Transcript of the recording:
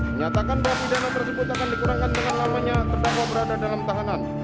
menyatakan bahwa pidana tersebut akan dikurangkan dengan lamanya terdakwa berada dalam tahanan